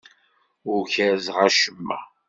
Ur kerrzeɣ acemma.